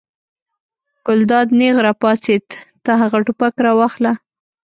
ګلداد نېغ را پاڅېد: ته هغه ټوپک راواخله.